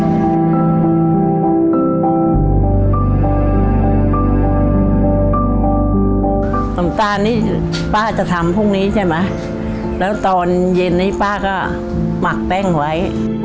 น้ำตาลนี่ป้าจะทำพรุ่งนี้ใช่ไหมแล้วตอนเย็นนี้ป้าก็หมักแป้งไว้